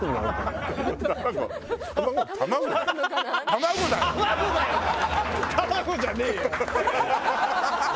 卵じゃねえよ。